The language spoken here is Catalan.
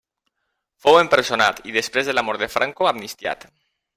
Fou empresonat i després de la mort de Franco amnistiat.